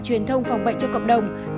truyền thông phòng bệnh cho cộng đồng